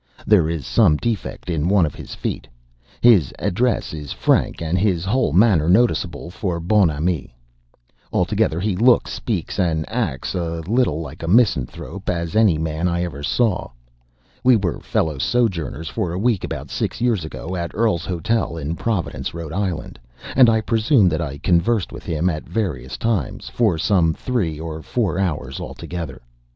There is some defect in one of his feet. His address is frank, and his whole manner noticeable for bonhomie. Altogether, he looks, speaks, and acts as little like 'a misanthrope' as any man I ever saw. We were fellow sojourners for a week about six years ago, at Earl's Hotel, in Providence, Rhode Island; and I presume that I conversed with him, at various times, for some three or four hours altogether.